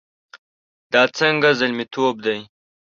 دا څنګه زلميتوب دی؟